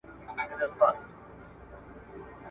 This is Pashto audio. چرګ چي ځوان سي پر بام ورو ورو ځي ..